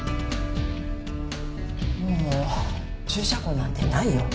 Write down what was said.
もう注射痕なんてないよ。